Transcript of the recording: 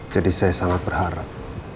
jadi saya sangat berharap